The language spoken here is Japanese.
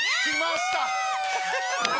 きました。